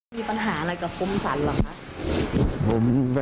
มีปัญหาอะไรกับคมสรรค่ะ